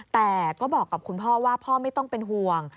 แต่ก็บอกกับคุณพ่อว่าพ่อไม่ต้องเป็นห่วง